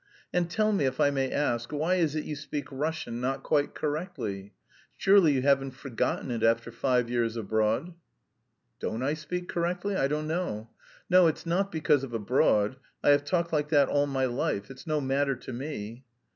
"And tell me, if I may ask, why is it you speak Russian not quite correctly? Surely you haven't forgotten it after five years abroad?" "Don't I speak correctly? I don't know. No, it's not because of abroad. I have talked like that all my life... it's no matter to me."